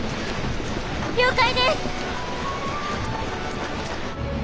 了解です！